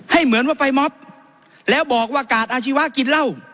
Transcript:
เหมือนว่าไปมอบแล้วบอกว่ากาดอาชีวะกินเหล้า